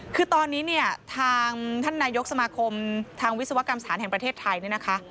คือตอนนี้เนี่ยทางท่านนายกสมาคมทางวิศวกรรมสถานแห่งประเทศไทยเนี่ยนะคะ